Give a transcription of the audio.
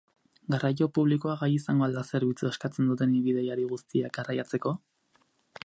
Garraio publikoa gai izango al da zerbitzua eskatzen duten bidaiari guztiak garraiatzeko?